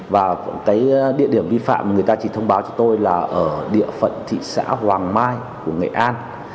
và cái địa điểm vi phạm mà người ta chỉ thông báo cho tôi là ở địa phận thị xã hoàng mai của nghệ an